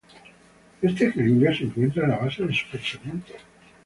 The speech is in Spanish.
Este equilibrio se encuentra en la base de su pensamiento.